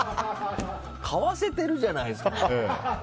買わせてるじゃないですか。